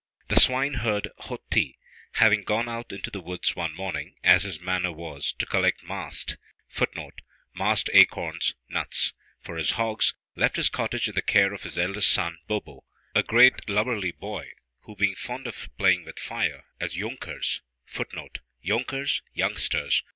The swineherd, Ho ti, having gone out into the woods one morning, as his manner was, to collect mast [Footnote: Mast acorns: nuts.] for his hogs, left his cottage in the care of his eldest son Bo bo, a great lubberly boy, who being fond of playing with fire, as younkers [Footnote: Younkers: youngsters.